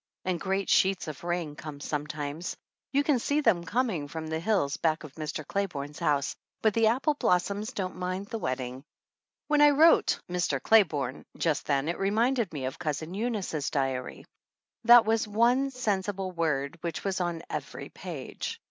And great sheets of rain come sometimes; you can see them coming from the hills back of Mr. Clayborne's house, but the apple blossoms don't mind the wetting. When I wrote "Mr. Clayborne" just then it reminded me of Cousin Eunice's diary. That was one sensible word which was on every page.